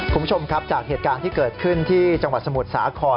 คุณผู้ชมครับจากเหตุการณ์ที่เกิดขึ้นที่จังหวัดสมุทรสาคร